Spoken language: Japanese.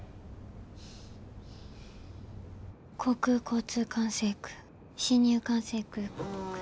航空交通管制区進入管制区。